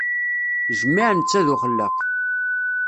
Jmiɛ netta d uxellaq.